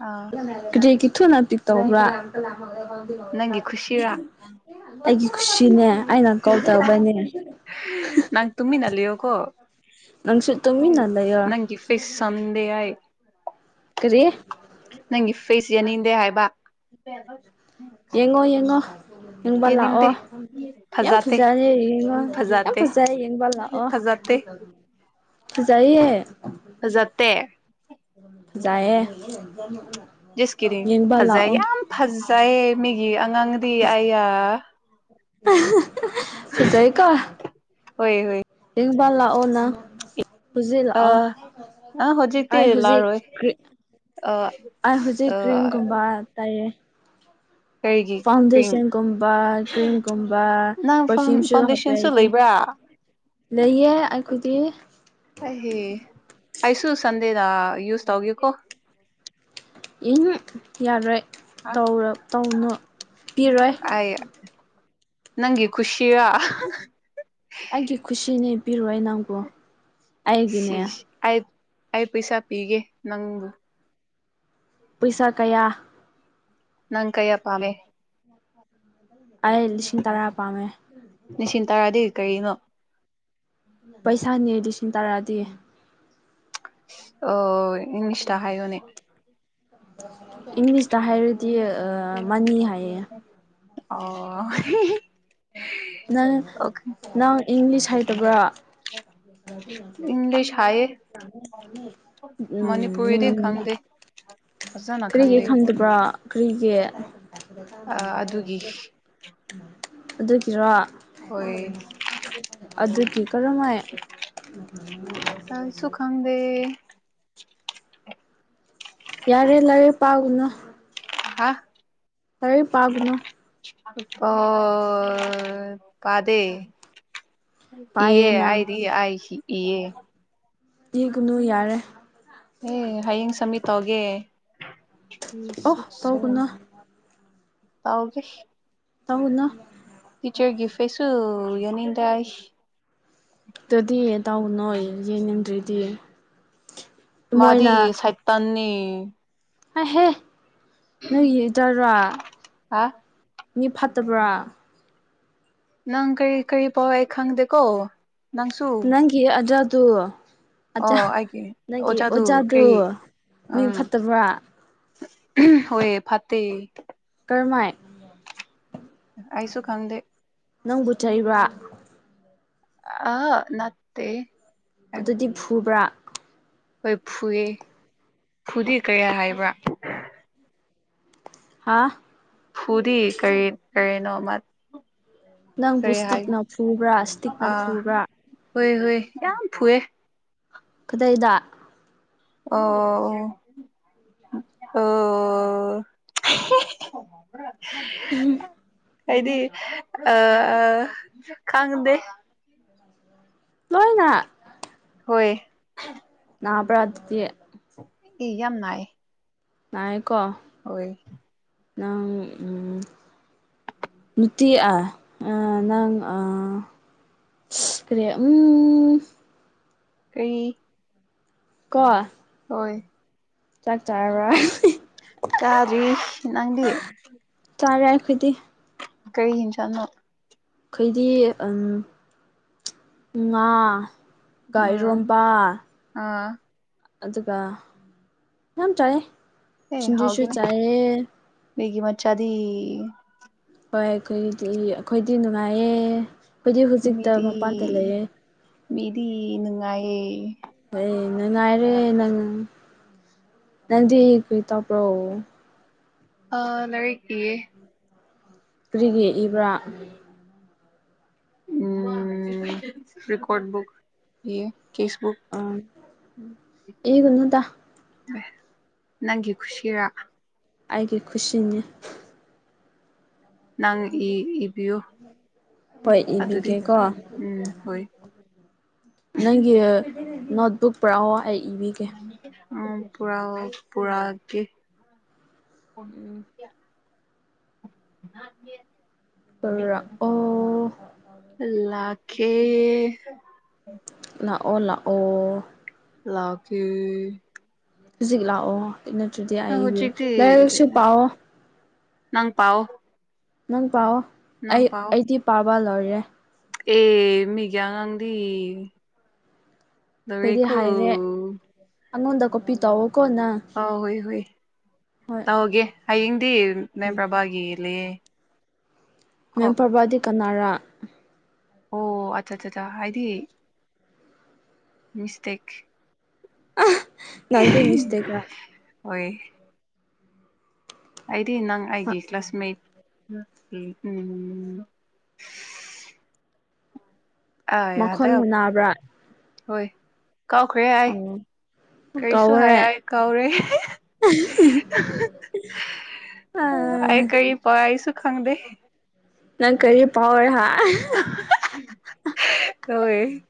ꯑꯥ ꯀꯔꯤꯒꯤ ꯊꯨꯅ ꯇꯤꯛ ꯇꯧꯕꯔ ꯅꯪꯒꯤ ꯈꯨꯁꯤꯔꯥ ꯑꯩꯒꯤ ꯈꯨꯁꯤꯅꯦ ꯑꯩꯅ ꯀꯥꯎꯗꯕꯅꯦ ꯅꯪ ꯇꯨꯃꯤꯟꯅ ꯂꯩꯌꯣꯀꯣ ꯅꯪꯁꯨ ꯇꯨꯝꯃꯤꯟꯅ ꯂꯩꯌꯣ ꯄꯩꯁꯥ ꯃꯌꯥꯝ ꯀꯔꯤ ꯅꯪꯒꯤ ꯐꯦꯁ ꯌꯦꯡꯅꯤꯡꯗꯦ ꯍꯥꯏꯕ ꯌꯦꯡꯉꯣ ꯌꯦꯡꯉꯣ ꯌꯦꯡꯕ ꯌꯥꯅꯤꯡꯗꯦ ꯂꯥꯛꯑꯣ ꯌꯥꯝ ꯐꯖꯥꯇꯦ ꯐꯖꯔꯦ ꯌꯦꯡꯉꯣ ꯌꯥꯝ ꯐꯖꯥꯇꯦ ꯐꯖꯔꯦ ꯌꯦꯡꯕ ꯂꯥꯛꯑꯣ ꯐꯖꯥꯇꯦ ꯐꯖꯩꯌꯦ ꯐꯖꯠꯇꯦ ꯖꯥꯏꯌꯦ ꯖꯁ ꯀꯤꯗꯤꯡ ꯌꯦꯡꯕ ꯐꯖꯩ ꯂꯥꯛꯑꯣ ꯌꯥꯝ ꯐꯖꯩꯌꯦ ꯃꯤꯒꯤ ꯑꯉꯥꯡꯗꯤ ꯑꯌꯥ [unintelligible] ꯐꯖꯥꯏ ꯀꯣ ꯍꯣꯏ ꯍꯣꯏ [unintelligible] ꯇꯦꯡꯕꯂꯥ ꯑꯣꯅ ꯑ ꯑ ꯍꯧꯖꯤꯛꯇꯤ ꯑꯩ ꯏ ꯍꯧꯖꯤꯛ ꯂꯔꯣꯏ ꯑ ꯑꯩ ꯍꯧꯖꯤꯛ ꯀ꯭ꯔꯤꯡꯒꯨꯝꯕ ꯇꯩꯏꯌꯦ ꯀꯔꯤꯒꯤ ꯀ꯭ꯔꯤꯝ ꯐꯥꯎꯟꯗꯦꯁꯟꯒꯨꯝꯕ ꯀ꯭ꯔꯤꯝꯒꯨꯝꯕ ꯅꯪ ꯐꯥꯎꯟ ꯄꯔꯐꯤꯌꯨꯝꯁꯨ ꯍꯥꯞꯄꯦ ꯐꯥꯎꯟꯗꯦꯁꯟꯁꯨ ꯍꯥꯏꯗꯤ ꯂꯩꯕ꯭ꯔꯥ ꯂꯩꯌꯦ ꯑꯩꯈꯣꯏꯗꯤ ꯑꯩ ꯑꯩꯁꯨ ꯁꯟꯗꯦꯗ ꯌꯨꯁ ꯇꯧꯒꯦꯀꯣ ꯎꯝ ꯌꯥꯔꯣꯏ ꯇꯧꯅꯣ ꯄꯤꯔꯣꯏ ꯅꯪꯒꯤ ꯈꯨꯁꯤꯔ ꯑꯩꯒꯤ ꯈꯨꯁꯤꯅꯦ ꯄꯤꯔꯣꯏ ꯅꯪꯕꯨ ꯑꯩꯒꯤꯅꯦ ꯁꯤꯁ ꯑꯩ ꯑꯩ ꯄꯩꯁꯥ ꯄꯤꯒꯦ ꯅꯪꯕꯨ ꯄꯩꯁꯥ ꯀꯌꯥ ꯅꯪ ꯀꯩꯌꯥ ꯄꯥꯝꯃꯦ [inaudible] ꯑꯩ ꯂꯤꯁꯤꯡ ꯇꯔꯥ ꯄꯥꯝꯃꯦ ꯂꯤꯁꯤꯡ ꯇꯥꯔꯗꯤ ꯀꯔꯤꯅꯣ ꯄꯩꯁꯥꯅꯦ ꯂꯤꯁꯤꯡ ꯇꯔꯥꯗꯤ ꯑꯣ ꯏꯪꯂꯤꯁꯇ ꯍꯥꯏ ꯌꯣꯅꯦ ꯏꯪꯂꯤꯁꯇ ꯍꯥꯏꯔꯗꯤ ꯃꯅꯤ ꯍꯥꯏꯌꯦ ꯑꯣ [unintelligible] ꯅꯪ ꯑꯣꯀꯦ ꯅꯪ ꯏꯪꯂꯤꯁ ꯍꯩꯇꯕ꯭ꯔꯥ ꯏꯪꯂꯤꯁ [unintelligible] ꯍꯥꯏꯌꯦ ꯎꯝ ꯃꯅꯤꯄꯨꯔꯤꯗꯤ ꯈꯪꯗꯦ [unintelligible] ꯐꯖꯅ ꯀꯔꯤꯒꯤ ꯈꯪꯗꯦ ꯈꯪꯗꯕ꯭ꯔꯥ ꯀꯔꯤꯒꯤ ꯑꯗꯨꯒꯤ ꯑꯗꯨꯒꯤꯔꯣ ꯍꯣꯏ ꯑꯗꯨꯒꯤ ꯀꯔꯝꯃꯥꯏ [unintelligible] ꯁꯨꯈꯪꯗꯦ ꯌꯥꯔꯦ ꯂꯥꯔꯦ ꯄꯥꯒꯨꯅꯣ ꯍꯥ ꯂꯔꯤ ꯄꯥꯒꯨꯅꯣ ꯑꯣ ꯄꯥꯗꯦ ꯏꯌꯦ ꯄꯥꯏꯌꯦ ꯅꯪ ꯑꯥꯏꯗꯤ ꯑꯥꯏꯁꯤ ꯏꯌꯦ ꯏꯒꯨꯅꯨ ꯌꯥꯔꯦ ꯑꯦ ꯍꯌꯦꯡ ꯁꯃꯤꯠ ꯇꯧꯒꯦ ꯑꯣ ꯇꯧꯒꯅꯨ [unintelligible] ꯇꯥꯎꯒꯦ ꯇꯧꯅꯣ ꯇꯤꯆꯔꯒꯤ ꯐꯦꯁꯨꯜ ꯌꯥꯅꯤꯡꯗꯥꯏ ꯑꯗꯨꯗꯤ ꯇꯥꯎ ꯅꯣꯏ ꯌꯦꯡꯅꯤꯡꯗ꯭ꯔꯤꯗꯤ ꯃꯥꯗꯤ ꯁꯩꯇꯥꯟꯅꯦ ꯍꯥꯏꯍꯦ ꯅꯪ ꯌꯦꯗꯔꯥ ꯍꯥ ꯃꯤ ꯐꯠꯇꯕ꯭ꯔꯥ ꯅꯪ ꯀꯔꯤ ꯀꯔꯤ ꯄꯥꯎ ꯑꯩ ꯈꯪꯗꯦꯀꯣ ꯅꯪꯁꯨ ꯀꯤ ꯑꯗꯋꯥꯗꯨ ꯑꯆꯥ ꯑꯣ ꯑꯩꯒꯤ ꯅꯪꯒꯤ ꯑꯣꯖꯥꯗꯨ ꯀꯔꯤ ꯃꯤ ꯐꯠꯇꯕ꯭ꯔꯥ ꯍꯣꯏꯌꯦ ꯐꯠꯇꯦ ꯀꯔꯃꯥꯏ ꯑꯥꯏꯁꯨ ꯈꯪꯗꯦ ꯅꯪꯕꯨ ꯆꯩꯠꯕ꯭ꯔ ꯑ ꯅꯠꯇꯦ ꯑꯗꯨꯗꯤ ꯐꯨꯕ꯭ꯔꯥ ꯍꯣꯏ ꯐꯨꯏ ꯐꯨꯗꯤ ꯀꯔꯤ ꯍꯥꯏꯕ꯭ꯔꯥ ꯍꯥꯥ ꯐꯨꯗꯤ ꯀꯔꯤ ꯀꯔꯤꯅꯣꯃ ꯅꯪꯕꯨ ꯏꯁꯇꯤꯛꯅ ꯐꯨꯕ꯭ꯔꯥ ꯏꯁꯇꯤꯛꯅ ꯑꯥ ꯐꯨꯕ꯭ꯔꯥ ꯍꯣꯏ ꯍꯣꯏ ꯌꯥꯝ ꯐꯨꯑꯦ ꯈꯨꯗꯥꯏꯗ ꯑꯣ ꯑꯣ ꯑꯣ [unintelligible] [unintelligible] ꯑꯩꯗꯤ ꯑ ꯑ ꯈꯥꯡꯗꯦ ꯂꯣꯏꯅ ꯍꯣꯏ ꯅꯥꯕꯔꯥ ꯑꯗꯨꯇꯤ ꯃꯤ ꯌꯥꯝ ꯅꯥꯏꯌꯦ ꯅꯥꯏꯌꯦꯀꯣ ꯍꯣꯏ ꯅꯪ [unintelligible] ꯅꯨꯇꯤ ꯑ ꯑ ꯅꯪ ꯑ ꯀꯔꯤ ꯎꯝ ꯀꯩ ꯀꫭ ꯍꯣꯏ ꯆꯥꯛ ꯆꯥꯔꯕ꯭ꯔꯥ ꯆꯥꯗ꯭ꯔꯤ ꯅꯪꯗꯤ ꯆꯥꯔꯦ ꯑꯩꯈꯣꯏꯗꯤ ꯀꯩꯒꯤꯅ ꯆꯅꯣ ꯈꯩꯗꯤ ꯎꯝ ꯉꯥ ꯎꯝ ꯒꯥꯏꯔꯣꯝꯕ ꯑꯥ ꯑꯗꯨꯒ ꯌꯥꯝ ꯆꯥꯏꯌꯦ ꯑꯦ ꯁꯤꯡꯖꯨꯁꯨ ꯍꯅꯦ ꯆꯥꯏꯌꯦ ꯒ ꯃꯆꯥꯗꯤ ꯍꯣꯏ ꯑꯩꯈꯣꯏ ꯑꯩꯈꯣꯏꯗꯤ ꯅꯨꯡꯉꯥꯏꯌꯦ ꯑꯩꯈꯣꯏꯗꯤ ꯍꯧꯖꯤꯛꯇ ꯃꯤꯗꯤ ꯃꯄꯥꯟꯗ ꯂꯩꯌꯦꯦ ꯃꯤꯗꯤ ꯅꯨꯅꯨꯡꯉꯌꯦ ꯍꯣꯏ ꯅꯨꯡꯉꯥꯏꯔꯦ ꯅꯪ ꯅꯪꯗꯤ ꯀꯨꯏ ꯇꯄ꯭ꯔꯣ ꯑ ꯂꯏꯀꯤꯦ ꯐ꯭ꯔꯤꯒꯤ ꯏꯕ꯭ꯔꯥ ꯎꯝ ꯔꯀꯣꯔ ꯕꯨꯛ ꯌꯦ ꯀꯦꯁꯕꯨꯛ ꯑ ꯑꯦꯣꯟꯅ ꯇ ꯅꯪꯒꯤ ꯈꯨꯁꯤꯔ ꯑꯩꯒꯤ ꯈꯨꯁꯤꯅꯤ ꯅꯪ ꯏ ꯏꯕꯤ꯭ꯌꯨ ꯍꯣꯏ ꯏꯕꯤꯒꯦ ꯀꯣ ꯎꯝ ꯍꯣꯏ ꯅꯪꯒꯤ ꯅꯣꯠꯕꯨꯛ ꯄꯨꯔꯥꯑꯣ ꯑꯩ ꯏꯕꯤꯒꯦ ꯑꯣ ꯄꯨꯥ ꯄꯨꯔꯥ ꯀ ꯎꯝ ꯄꯨꯔꯛꯑꯣ [unintelligible] ꯑ ꯂꯀꯦ ꯂꯥꯛꯑꯣ ꯂꯥꯛꯑꯣ ꯂꯥꯛꯈꯤ ꯍꯧꯖꯤꯛ ꯂꯥꯛꯑꯣ ꯅꯠꯇ꯭ꯔꯗꯤ ꯑꯕꯤꯔ ꯍꯧꯖꯤꯛꯇꯤ ꯂꯥꯏꯔꯤꯛ ꯂꯥꯏꯁꯨ ꯄꯥꯛꯑꯣ ꯅꯪ ꯄꯥꯎ ꯅꯪ ꯄꯥꯎꯑꯣ ꯅꯪ ꯑꯩ ꯄꯥꯎ ꯑꯩꯗꯤ ꯄꯥꯕ ꯂꯣꯢꯔꯦ ꯑꯦ ꯃꯤꯒꯤ ꯑꯉꯥꯡꯗꯤ ꯑꯩꯩꯗꯤ ꯂꯣꯏꯔꯦꯀꯣ ꯍꯥꯏꯔꯦ ꯑꯩꯉꯣꯟꯗ ꯀꯣꯄꯤ ꯇꯧꯋꯣꯀꯣ ꯉꯪ ꯑꯧ ꯍꯣꯏ ꯍꯨꯏ ꯇꯧꯒꯦ ꯍꯌꯦꯡꯗꯤ ꯃꯦꯝ ꯎꯝ ꯄ꯭ꯔꯕꯥꯒꯤ ꯂꯩꯌꯦ ꯀꯣ ꯃꯦꯝ ꯄꯔꯕꯥꯗꯤ ꯀꯅꯥꯔ ꯑꯣ ꯑꯆꯥ ꯆꯥ ꯆꯥ ꯍꯥꯏꯗꯤ ꯃꯤꯁꯇꯦꯛ ꯅꯪꯗꯦ ꯏ ꯏꯁꯇꯦꯒ ꯑꯣꯏꯣꯏ ꯑꯩꯗꯤ ꯅꯪ ꯑꯩꯒꯤ ꯀ꯭ꯂꯥꯁꯃꯦꯠ ꯎꯝ ꯑꯥ ꯌꯥꯗ ꯃꯈꯣꯟꯕꯨ ꯅꯥꯕ꯭ꯔꯥ ꯍꯣꯏ ꯀꯥꯎꯈ꯭ꯔꯦ ꯍꯥꯏꯥꯏ ꯀꯥꯎꯋꯔꯦ ꯑꯥ ꯄꯄꯥꯏꯁꯨ ꯈꯪꯗ ꯅꯪ ꯀꯔꯤ ꯄꯋꯥꯔ ꯍꯥ ꯍꯣꯏ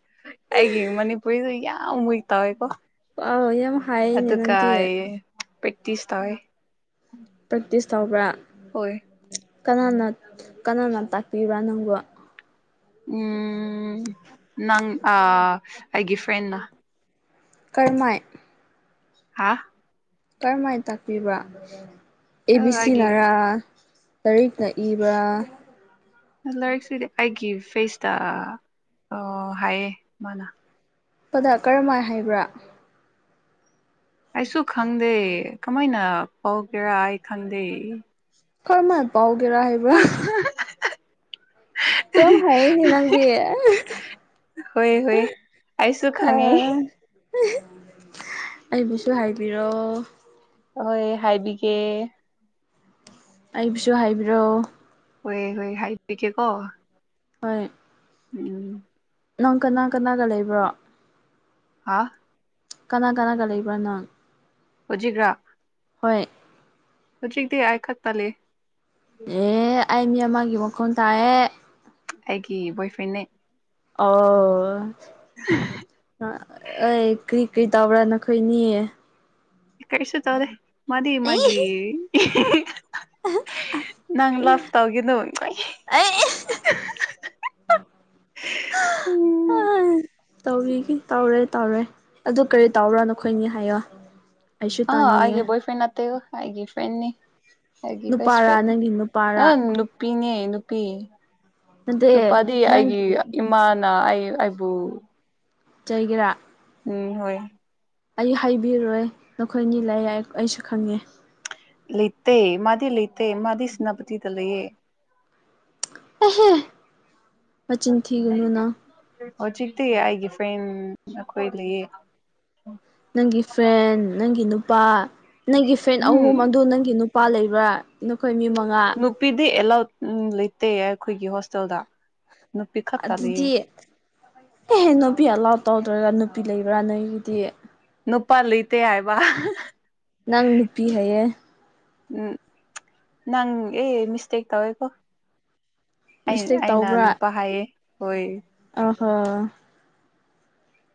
ꯑꯩꯒꯤ ꯃꯅꯤꯄꯨꯔ ꯄꯨꯏꯁꯨ ꯌꯥꯝ ꯋꯤꯛ ꯇꯧꯋꯦꯀꯣ ꯄꯥꯎ ꯌꯥꯝ ꯍꯥꯏꯌꯦꯅꯦ ꯑꯗꯨꯒ ꯅꯪꯗꯤ ꯄ꯭ꯔꯦꯛꯇꯤꯁ ꯇꯧꯋꯦ ꯄ꯭ꯔꯦꯛꯇꯤꯁ ꯇꯧꯕ꯭ꯔꯥ ꯍꯣꯏ ꯀꯅꯥꯅ ꯀꯅꯥꯅ ꯇꯥꯛꯄꯤꯕ꯭ꯔꯥ ꯅꯪꯕꯨ ꯎꯝ ꯅꯪ ꯑ ꯑꯩꯒꯤ ꯐ꯭ꯔꯦꯟꯅ ꯀꯔꯃꯥꯏ ꯍꯥꯥ ꯀꯔꯝꯍꯥꯏ ꯇꯥꯛꯄꯤꯕꯔꯥ ꯑꯦ ꯕꯤ ꯁꯤ ꯑꯩꯒꯤ ꯅꯔꯥ ꯂꯥꯏꯔꯤꯛꯅ ꯏꯕ꯭ꯔꯥ ꯂꯥꯏꯔꯤꯛꯁꯤꯗꯤ ꯑꯩꯒꯤ ꯐꯦꯁꯇ ꯍꯥꯏꯌꯦ ꯃꯥꯅ ꯄꯗ ꯀꯔꯝꯃꯥꯏ ꯍꯥꯏꯕ꯭ꯔꯥ ꯑꯩꯁꯨ ꯈꯪꯗꯦ ꯀꯃꯥꯏꯅ ꯄꯧꯒꯦꯔꯥ ꯑꯩ ꯈꯪꯗꯦ ꯈꯔꯃꯥꯏ ꯄꯥꯎꯒꯦꯔꯥ ꯍꯥꯏꯕ꯭ꯔꯥ ꯌꯥꯝ ꯍꯩꯌꯦꯅꯦ ꯅꯪꯗꯤ ꯍꯣꯏ ꯍꯣꯏ ꯑꯩꯁꯨ ꯈꯪꯉꯦ ꯑꯩꯕꯨꯁꯨ ꯍꯥꯏꯕꯤꯔꯣ ꯑꯍꯣꯏ ꯍꯥꯏꯕꯤꯒꯦ ꯑꯩꯕꯨꯁꯨ ꯍꯥꯏꯕꯤꯔꯛꯑꯣ ꯍꯣꯏ ꯍꯣꯏ ꯍꯥꯏꯕꯤꯒꯦꯀꯣ ꯍꯣꯏ ꯎꯝ ꯅꯪ ꯀꯅꯥ ꯀꯅꯥꯒ ꯂꯩꯕ꯭ꯔꯣ ꯍꯥꯥ ꯀꯅꯥ ꯀꯅꯥꯒ ꯂꯩꯕ꯭ꯔꯥ ꯅꯪ ꯍꯧꯖꯤꯛꯔꯥ ꯍꯣꯏ ꯍꯧꯖꯤꯛꯗꯤ ꯑꯩ ꯈꯛꯇꯥ ꯂꯩꯌꯦ ꯑꯦ ꯑꯩ ꯃꯤ ꯑꯃꯒꯤꯒꯤ ꯃꯈꯣꯟ ꯇꯥꯏꯑꯦ ꯑꯩꯒꯤ ꯕꯣꯏ ꯐ꯭ꯔꯦꯟꯅ‌ꯦ ꯑꯣ ꯑ‌ꯣꯏ ꯀ꯭ꯔꯤ ꯀꯩ ꯇꯧꯕꯕ꯭ꯔꯥ ꯅꯈꯣꯏꯅꯦꯌꯦ ꯀꯩꯁꯨ ꯇꯧꯗꯦ ꯃꯗꯤ ꯃꯥꯒꯤ ꯑꯩ [unintelligible] ꯅꯪ ꯂꯥ꯭ꯐ ꯇꯧꯒꯤꯅꯨ [unintelligible] ꯑ [unintelligible] ꯇꯧꯔꯤꯒꯦ ꯇꯧꯔꯦ ꯇꯧꯔꯦ ꯑꯗꯨ ꯀꯔꯤ ꯇꯥꯎꯕꯔꯥ ꯅꯈꯣꯏꯅꯤ ꯍꯥꯏꯌꯣ ꯑꯩꯁꯨ ꯑ ꯑꯩꯒꯤ ꯇꯥꯅꯤꯡꯉꯦ ꯕ‌ꯣꯏꯐ꯭ꯔꯦꯟ ꯑꯠꯇꯦ ꯑꯩꯒꯤ ꯐ꯭ꯔꯦꯟꯅꯤ ꯍꯥꯏꯒꯤ ꯕ‌ꯦꯁ ꯅꯨꯄꯥꯔꯥ ꯐ꯭ꯔꯦꯟꯅꯤ ꯅꯪꯒꯤ ꯑ ꯅꯨꯄꯥꯔꯥ ꯅꯨꯄꯤꯅꯦ ꯅꯨꯄꯤ ꯅꯠꯇꯦ ꯅꯨꯄꯥꯗꯤ ꯑꯩꯒꯤ ꯅꯪꯒꯤ ꯏꯃꯥꯅ ꯑꯩ ꯑꯩꯕꯨ ꯆꯩꯒꯦꯔꯥ ꯎꯝ ꯍꯣꯏ ꯑꯩ ꯍꯥꯏꯕꯤꯔꯣꯏ ꯅꯈꯣꯏꯅꯤ ꯂꯩ ꯑꯩꯁꯨ ꯈꯪꯉꯦ ꯂꯩꯇꯦ ꯃꯥꯗꯤ ꯂꯩꯇꯦ ꯃꯥꯗꯤ ꯁꯦꯅꯄꯇꯗ ꯂꯩꯑꯦ ꯑꯦꯍꯦ ꯃꯆꯤꯟ ꯊꯤꯒꯅꯨ ꯅꯪ ꯍꯧꯖꯤꯛꯇꯤ ꯑꯩꯒꯤ ꯐ꯭ꯔꯦꯟ ꯃꯈꯣꯏ ꯂꯩꯌꯦ ꯅꯪꯒꯤ ꯐ꯭ꯔꯦꯟ ꯅꯪꯒꯤ ꯅꯨꯄꯥ ꯅꯪꯒꯤ ꯐ꯭ꯔꯦꯟ ꯑꯍꯨꯝ ꯎꯝ ꯑꯗꯨ ꯅꯪꯒꯤ ꯅꯨ ꯅꯨꯄꯥ ꯂꯩꯕ꯭ꯔꯥ ꯅꯈꯣꯏ ꯃꯤ ꯃꯉꯥ ꯅꯨꯄꯤꯗꯤ ꯑꯦꯂꯥꯎꯗ ꯂꯩꯇꯦ ꯑꯩꯈꯣꯏꯒꯤ ꯍꯣꯁꯇꯦꯜꯗ ꯅꯨꯄꯤ ꯈꯛꯇ ꯑꯗꯨꯗꯤ ꯂꯩꯌꯦ ꯑꯦꯍꯦ ꯅꯨꯄꯤ ꯑꯂꯥꯎꯗ ꯇꯧꯗ꯭ꯔꯒ ꯅꯨꯄꯤ ꯂꯩꯕ꯭ꯔꯥ ꯅꯣꯏꯒꯤꯗꯤ ꯅꯨꯄꯥꯂꯩꯇꯦ ꯍꯥꯏꯕ ꯅꯪ ꯅꯨꯨꯄꯤ ꯍꯥꯏꯌꯦ ꯎꯝ ꯅꯪ ꯑꯦ ꯃꯤꯁꯇꯦꯛ ꯇꯧꯋꯦꯀꯣ ꯑꯩ ꯃꯤꯁꯇꯦꯛ ꯑꯩꯅ ꯇꯧꯕ꯭ꯔꯥ ꯅꯨꯄꯥ ꯍꯥꯏꯌꯦ ꯍꯣꯏ ꯑ ꯍꯣ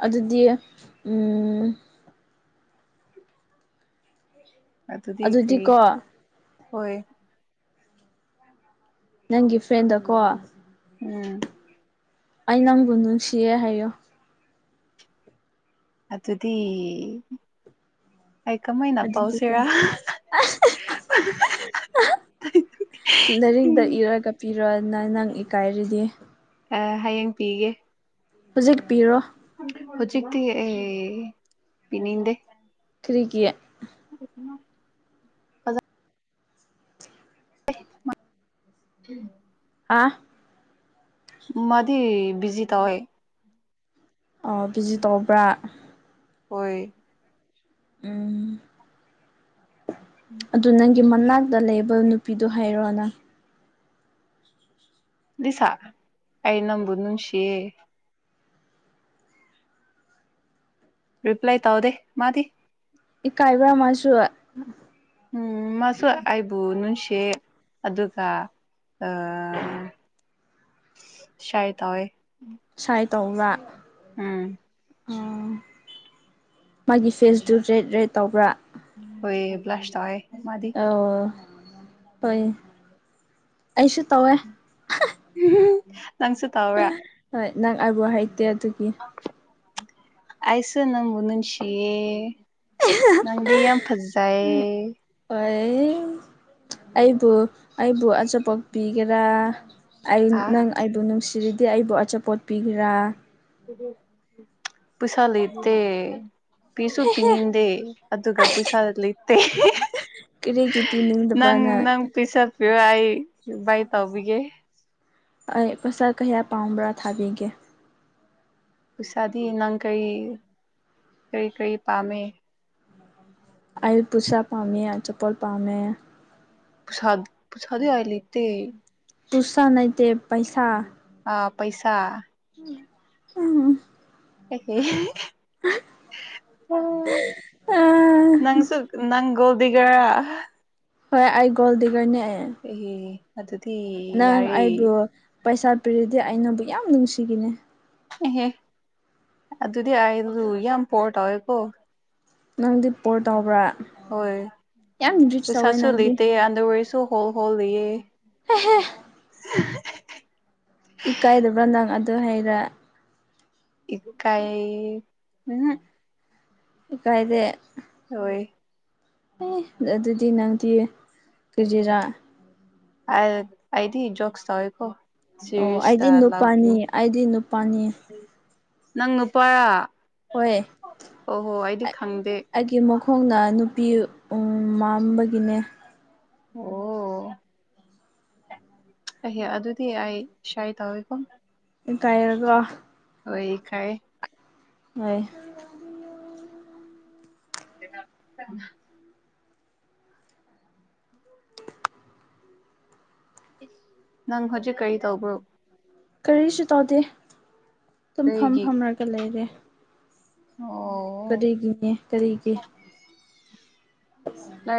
ꯑꯗꯨꯗꯤ ꯎꯝ ꯑꯗꯨꯗꯤ ꯀꯩ ꯑꯗꯨꯗꯤꯀꯣ ꯍꯣꯏ ꯅꯪꯒꯤ ꯐ꯭ꯔꯦꯟꯗꯀꯣ ꯎꯝ ꯑꯩ ꯅꯪꯕꯨ ꯅꯨꯡꯁꯤꯌꯦ ꯍꯥꯏꯌꯣ ꯑꯗꯨꯗꯤ ꯑꯩ ꯀꯃꯥꯏꯅ ꯑꯗꯨꯗꯤ ꯄꯥꯎꯁꯤꯔꯥ ꯀꯩꯅꯣ ꯂꯥꯏꯔꯤꯛꯗ ꯏꯔꯒ ꯄꯤꯔꯣꯅ ꯅꯪ ꯏꯀꯥꯏꯔꯗꯤ ꯍꯌꯦꯡ ꯄꯤꯒꯦ ꯍꯧꯖꯤꯛ ꯄꯤꯔꯣ ꯍꯧꯖꯤꯛꯇꯤ ꯑ ꯄꯤꯅꯤꯡꯗꯦ ꯀ꯭ꯔꯤꯒꯤ [unintelligible] [unintelligible] ꯑꯥ ꯃꯗꯤ ꯕꯤꯖꯤ ꯇꯧꯋꯦ ꯕꯤꯖꯤ ꯇꯧꯕ꯭ꯔꯥ ꯍꯣꯏ ꯎꯝ ꯑꯗꯨ ꯅꯪ ꯒꯤ ꯃꯅꯥꯛꯇ ꯂꯩꯕ ꯅꯨꯄꯤꯗ‌ꯣ ꯍꯥꯏꯔꯣꯅ ꯂꯤꯁ ꯑꯩ ꯅꯡꯕꯨ ꯅꯨꯡꯁꯤꯌ‌ꯦ ꯔꯤꯄ꯭ꯂꯥꯏ ꯇꯧꯗꯦ ꯃꯥꯗꯤ ꯏꯀꯥꯏꯕ꯭ꯔꯥ ꯃꯥꯁꯨ [inaudible] ꯎꯝ ꯃꯥꯁꯨ ꯑꯩꯕꯨ ꯅꯨꯡꯁꯤꯌ‌ꯦ ꯑꯗꯨꯒ ꯑ ꯁꯥꯏꯗ ꯇꯧꯏ ꯁꯥꯏ ꯇꯧꯕ꯭ꯔꯥ ꯎꯝ ꯃꯥꯒꯤ ꯐꯦꯁꯇ ꯔꯦꯗ ꯔꯦꯗ ꯇꯧꯕ꯭ꯔꯥ ꯍꯣꯏ ꯕꯂꯁ ꯇꯌꯦ ꯑꯣ ꯍꯣꯏ ꯑꯩꯁꯨ ꯇꯧꯋꯦ [unintelligible] ꯅꯪꯁ ꯍꯣꯏ ꯅꯪ ꯑꯩꯕꯨ ꯍꯩꯇꯦ ꯑꯗꯨꯒꯤ ꯑꯁꯨ ꯅꯪꯕꯨꯅꯁꯤ ꯌꯦ ꯅꯪꯗꯤ ꯌꯥꯝ ꯐꯖꯥꯏ ꯍꯣꯌ ꯑꯩꯕꯨ ꯑꯩꯕꯨ ꯑꯆꯥꯄꯣꯞꯄꯤꯒꯦꯔꯥ ꯑꯩ ꯍꯥ ꯅꯪ ꯑꯩꯕꯨ ꯅꯨꯡꯁꯤꯔꯤꯗꯤ ꯑꯩꯕꯨ ꯑꯆꯥꯄꯣꯠ ꯄꯤꯒꯦꯔꯥ ꯄꯩꯁꯥ ꯂꯩꯇ‌ꯦ ꯄꯤꯁꯨ ꯄꯤꯅꯤꯡꯗꯦ ꯑꯗꯨꯒ ꯄꯩꯁꯥ ꯂꯩꯇꯦ ꯀꯔꯤꯒꯤ ꯅꯪ ꯄꯤꯅꯤꯡꯗꯕ꯭ꯔꯅ ꯅꯪ ꯄꯤꯁꯄꯤꯌꯣ ꯑꯩ ꯕꯥꯏ ꯇꯧꯕꯤꯒꯦ ꯑꯩ ꯄꯩꯁꯥ ꯀꯌꯥ ꯄꯥꯝꯕ꯭ꯔꯥ ꯊꯥꯕꯤꯒꯦ ꯄꯩꯁꯥꯗꯤ ꯅꯪ ꯀꯔꯤ ꯀꯔꯤ ꯀꯔꯤ ꯄꯥꯝꯃꯦ ꯑꯌ ꯄꯨꯁꯥ ꯄꯥꯝꯃꯦ ꯑꯆꯥꯄꯣꯠ ꯄꯥꯝꯃꯦ ꯄꯁꯥ ꯄꯁꯥꯗ ꯑꯥꯏ ꯂꯩꯇ ꯄꯨꯁ ꯅꯠꯇ‌ꯦ ꯄꯩꯁꯥ ꯑꯥ ꯄꯩꯁꯥ ꯎꯝ ꯅꯪꯁꯨ ꯅꯪ ꯒꯣꯜꯗꯤꯒꯔ ꯍꯣꯏ ꯑꯩ ꯒꯣꯜꯗꯤꯒꯔꯅꯦ ꯑꯦ ꯑꯗꯨꯗꯤ ꯌꯥꯔꯦ ꯑꯩꯕꯨ ꯄꯩꯁꯥ ꯄꯤꯔꯗꯤ ꯑꯩꯅꯕꯨ ꯌꯥꯝ ꯅꯨꯡꯁꯤꯈꯤꯅꯤ ꯑꯦꯍꯦ ꯑꯗꯨꯗꯤ [unintelligible] ꯌꯥꯝ ꯄꯣꯔ ꯇꯥꯎꯋꯦꯀꯣ ꯅꯪꯗꯤ ꯄꯣꯔ ꯇꯧꯕ꯭ꯔꯥ ꯍꯣꯏ ꯌꯥꯝ ꯔꯤꯆ ꯇꯧꯋꯦ ꯄꯩꯁꯥꯁꯨ ꯅꯪꯗꯤ ꯂꯩꯇꯦ ꯑꯟꯗꯔ‌ꯑꯣꯏꯔꯁꯨ ꯍꯣꯜ ꯍꯣꯜ ꯂꯩꯌꯦ [unintelligible] ꯏꯀꯥꯏꯗꯕ꯭ꯔꯥ ꯅꯪ ꯑꯗꯨ ꯍꯩꯔ ꯏ ꯀꯥꯏ ꯎꯝꯍꯨꯝ ꯏꯀꯥꯏꯗꯦ ꯍꯣꯏ ꯑꯦ ꯑꯗꯨꯗꯤ ꯅꯪꯗꯤ ꯀꯔꯤꯔꯥ ꯑ ꯑꯩꯗꯤ ꯖ‌ꯣꯛꯁ ꯇꯧꯋ‌ꯦꯀꯣ ꯑꯣ ꯑꯩꯗꯤ ꯅꯨꯄꯥꯅꯤ ꯑꯩꯗꯤ ꯅꯨꯄꯥꯅꯤ ꯅꯪ ꯅꯨꯄꯥ ꯍꯣꯏ ꯑ ꯈꯪꯗꯦ ꯑꯩꯒꯤ ꯃꯈꯣꯡꯅ ꯅꯨꯄꯤ ꯃꯝꯕꯒꯤꯅꯦ ꯑꯣ ꯑꯩꯍꯦ ꯑꯗꯨꯗꯤ ꯑꯩ ꯁꯥꯏ ꯇꯧꯋꯦꯀꯣ ꯏ ꯀꯥꯏꯔꯒ ꯍ‌ꯣꯏ ꯏꯀꯥꯏ ꯍ‌ꯣꯏ [unintelligible] ꯅꯪ ꯍꯧꯖꯤꯛ ꯀꯔꯤ ꯇꯧꯕꯔ‌ꯣ ꯀꯔꯤꯁꯨ ꯇꯧꯗꯦ ꯑꯗꯨꯝ ꯐꯝ ꯀꯩꯒꯤ ꯐꯝꯔꯒ ꯂꯩꯔꯦ ꯑꯣ ꯀꯔꯤꯒꯤꯅꯦ ꯀꯔꯤꯒꯤ ꯂꯥꯏ [inaudible]